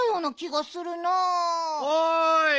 おい。